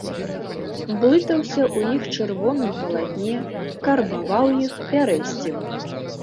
Блытаўся ў іх чырвоным палатне, карбаваў іх, пярэсціў.